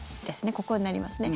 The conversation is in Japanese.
ここになりますね。